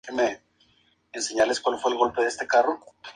Actualmente el distrito está representado por el Republicano Kay Granger.